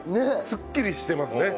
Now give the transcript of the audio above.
すっきりしてますね。